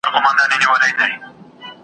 بیا ډېوې در څخه غواړم د کیږدۍ د ماښامونو .